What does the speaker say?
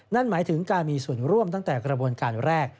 นั่นหมายถึงการมีส่วนร่วมตั้งแต่กระบวนการแรก